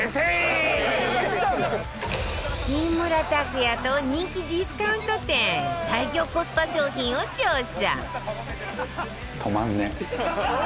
木村拓哉と人気ディスカウント店最強コスパ商品を調査